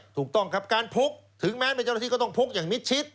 ถูกต้องครับการพกถึงแม้เป็นเจ้าหน้าที่ก็ต้องพกอย่างมิดชิด